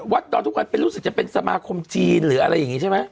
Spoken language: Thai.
ดอนทุกวันรู้สึกจะเป็นสมาคมจีนหรืออะไรอย่างนี้ใช่ไหม